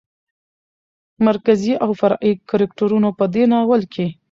مرکزي او فرعي کرکترونو په دې ناول کې